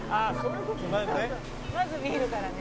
「まずビールからね」